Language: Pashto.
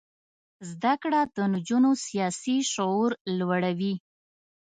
زده کړه د نجونو سیاسي شعور لوړوي.